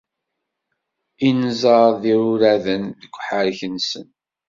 Inzaḍ d iruraden deg uḥerrek-nsen.